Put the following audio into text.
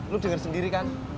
lu denger sendiri kan